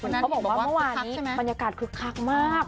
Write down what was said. เขาบอกว่าเมื่อวานนี้บรรยากาศคึกคักมาก